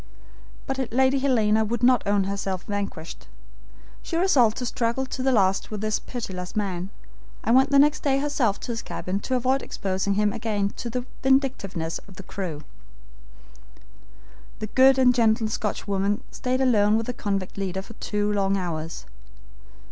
But Lady Helena would not own herself vanquished. She resolved to struggle to the last with this pitiless man, and went next day herself to his cabin to avoid exposing him again to the vindictiveness of the crew. The good and gentle Scotchwoman stayed alone with the convict leader for two long hours.